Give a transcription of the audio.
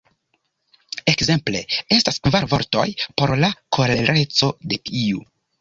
Ekzemple, estas kvar vortoj por la kolereco de iu